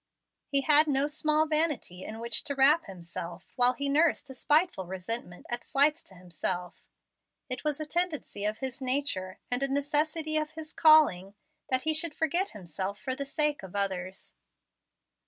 He had no small vanity in which to wrap himself while he nursed a spiteful resentment at slights to himself. It was a tendency of his nature, and a necessity of his calling, that he should forget himself for the sake of others.